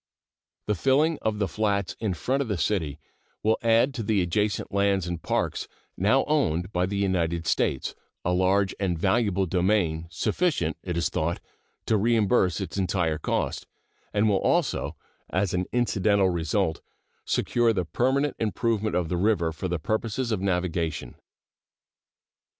The filling of the flats in front of the city will add to the adjacent lands and parks now owned by the United States a large and valuable domain, sufficient, it is thought, to reimburse its entire cost, and will also, as an incidental result, secure the permanent improvement of the river for the purposes of navigation.